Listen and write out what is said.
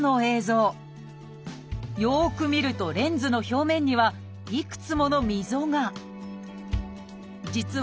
よく見るとレンズの表面にはいくつもの溝が。